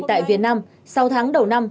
tại việt nam sau tháng đầu năm